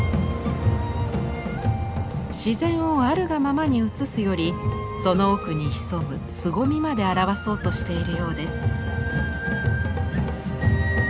自然をあるがままに写すよりその奥に潜むすごみまで表そうとしているようです。